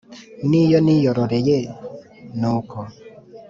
n' iyo niyorororeye ni uko